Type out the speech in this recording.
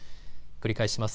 繰り返します。